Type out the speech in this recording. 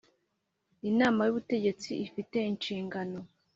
Inama y’ubutegetsi ifite inshingano